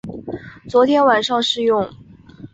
昨天晚上试用